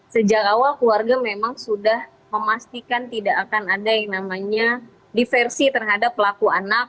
sejak awal keluarga memang sudah memastikan tidak akan ada yang namanya diversi terhadap pelaku anak